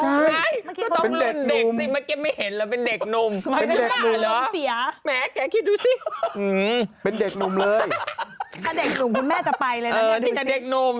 ดูสิถ้าเด็กนมดูดิ